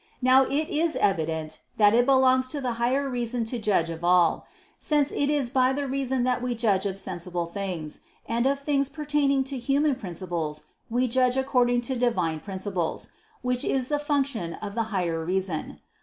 Now it is evident that it belongs to the higher reason to judge of all: since it is by the reason that we judge of sensible things; and of things pertaining to human principles we judge according to Divine principles, which is the function of the higher reason.